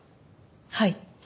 はい。